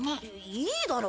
いいだろ。